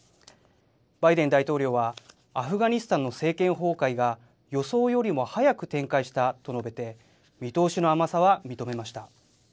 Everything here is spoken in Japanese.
バイデン大統領は、アフガニスタンの政権崩壊が、予想よりも早く展開したと述べて、見通しの甘さは認めました。